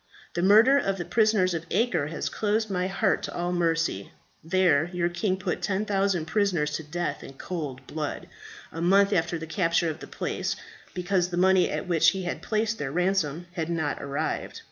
The murder of the prisoners of Acre has closed my heart to all mercy. There, your king put 10,000 prisoners to death in cold blood, a month after the capture of the place, because the money at which he had placed their ransom had not arrived.